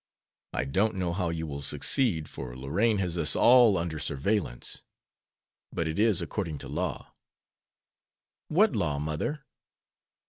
I don't know how you will succeed, for Lorraine has us all under surveillance. But it is according to law." "What law, mother?"